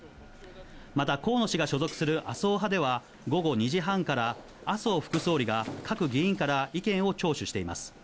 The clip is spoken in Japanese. また、河野氏が所属する麻生派では、午後２時半から麻生副総理が各議員から意見を聴取しています。